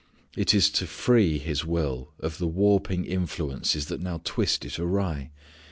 It is to free his will of the warping influences that now twist it awry.